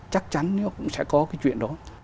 chắc chắn nó cũng sẽ có cái chuyện đó